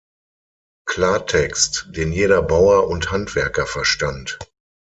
Klartext, den jeder Bauer und Handwerker verstand.